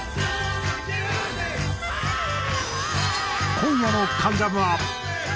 今夜の『関ジャム』は。